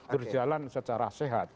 terjalan secara sehat